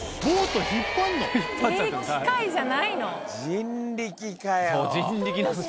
人力かよ。